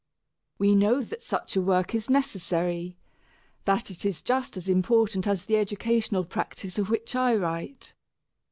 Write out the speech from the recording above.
We know that such a work is necessary, that it is just as important as the educational practice of which I write.